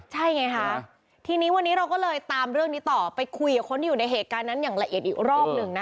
ใช่ไงคะทีนี้วันนี้เราก็เลยตามเรื่องนี้ต่อไปคุยกับคนที่อยู่ในเหตุการณ์นั้นอย่างละเอียดอีกรอบหนึ่งนะคะ